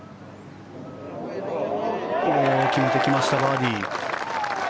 決めてきました、バーディー。